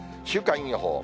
週間予報。